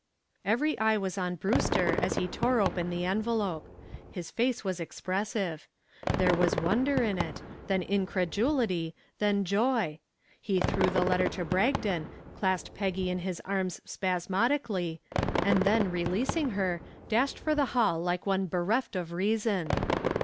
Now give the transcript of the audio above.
Every eye was on Brewster as he tore open the envelope. His face was expressive. There was wonder in it, then incredulity, then joy. He threw the letter to Bragdon, clasped Peggy in his arms spasmodically, and then, releasing her, dashed for the hall like one bereft of reason.